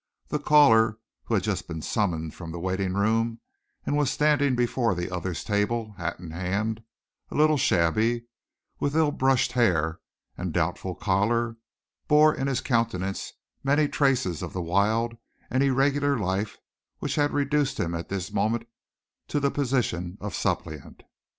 The caller, who had just been summoned from the waiting room, and was standing before the other's table, hat in hand, a little shabby, with ill brushed hair and doubtful collar, bore in his countenance many traces of the wild and irregular life which had reduced him at this moment to the position of suppliant.